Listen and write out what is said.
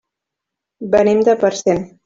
Venim de Parcent.